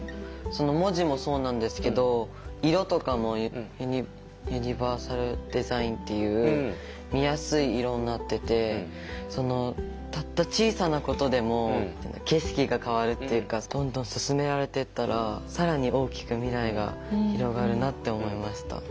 文字もそうなんですけど色とかもユニバーサルデザインっていう見やすい色になっててそのたった小さなことでも景色が変わるっていうかどんどん進められていったら更に大きく未来が広がるなって思いました。